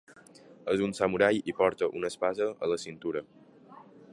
És un samurai i porta una espasa a la cintura.